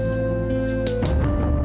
kamu tak inget